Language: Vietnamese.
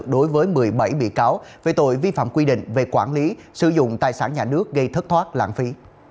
đối với một mươi bảy bị cáo về tội vi phạm quy định về quản lý sử dụng tài sản nhà nước gây thất thoát lãng phí